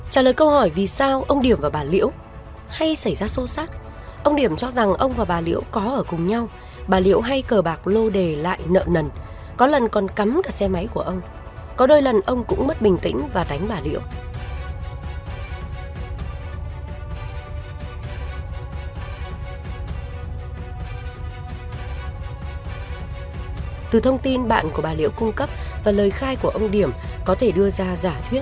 trả lời câu hỏi vì sao ông điểm nói rằng ông điểm nói rằng ông điểm nói rằng ông điểm nói rằng ông điểm nói rằng ông điểm nói rằng ông điểm nói rằng ông điểm nói rằng